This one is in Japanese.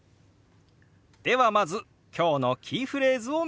ではまず今日のキーフレーズを見てみましょう。